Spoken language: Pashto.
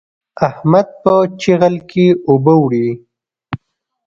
احمد په چيغل کې اوبه وړي.